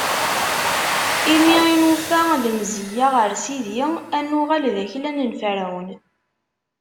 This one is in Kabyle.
Imi i nufa lemziyya ɣer sidi, ad nuɣal d aklan n Ferɛun.